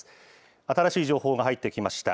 新しい情報が入ってきました。